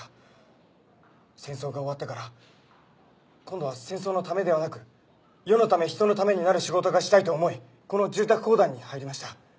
戦争が終わってから今度は戦争のためではなく世のため人のためになる仕事がしたいと思いこの住宅公団に入りました。